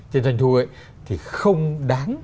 trên doanh thu ấy thì không đáng